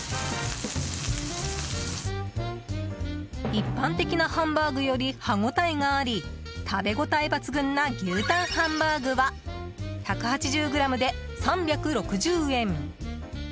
一般的なハンバーグより歯応えがあり食べ応え抜群な牛タンハンバーグは１８０ｇで３６０円。